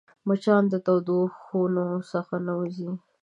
مچان د تودو خونو څخه نه وځي